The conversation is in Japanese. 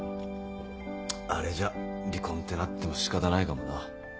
あれじゃ離婚ってなっても仕方ないかもな。